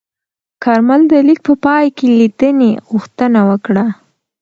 کارمل د لیک په پای کې لیدنې غوښتنه وکړه.